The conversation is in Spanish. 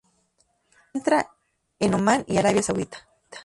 Se encuentra en Omán y Arabia Saudita.